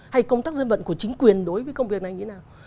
hay công tác dân vận của chính quyền đối với công việc này như thế nào